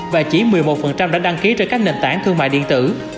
và chỉ một mươi một đã đăng ký trên các nền tảng thương mại điện tử